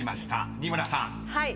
［仁村さん